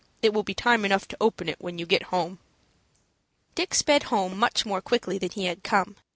It will be time enough to open it when you get home." Dick sped home much more quickly than he had come.